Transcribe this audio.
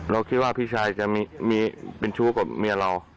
เราคิดว่าพี่ชายจะมีเป็นชู้กับเมียเรา